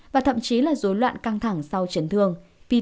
và thậm chí là dối loạn căng thẳng sau chấn thương